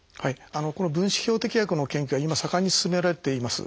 この分子標的薬の研究は今盛んに進められています。